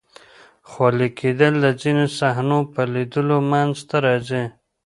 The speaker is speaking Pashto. خولې کېدل د ځینو صحنو په لیدلو منځ ته راځي.